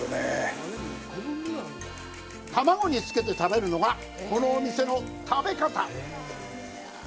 卵につけて食べるのがこのお店の食べ方。